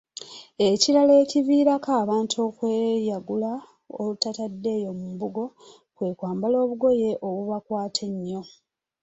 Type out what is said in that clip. Ekirala ekiviirako abantu okweyagula olutatadde eyo mu mbugo, kwe kwambala obugoye obubakwata ennyo,